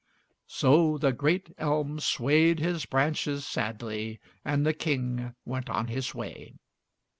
So the great elm swayed his branches sadly, and the King went on his way.